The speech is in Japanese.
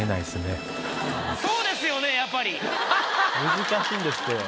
難しいんですって。